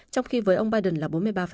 trong khi với ông biden là bốn mươi ba